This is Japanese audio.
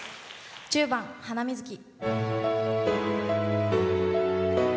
１０番「ハナミズキ」。